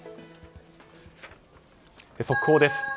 速報です。